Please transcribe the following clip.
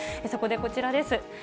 そこでこちらです。